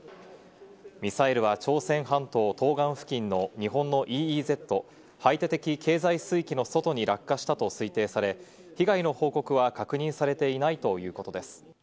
ミサイルは朝鮮半島東岸付近の日本のＥＥＺ＝排他的経済水域の外に落下したと推定され、被害の報告は確認されていないということです。